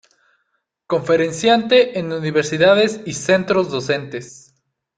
Conferenciante en universidades y centros docentes.